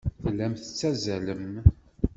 Tellam tettazzalem.